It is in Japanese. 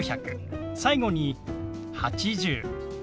最後に「８０」。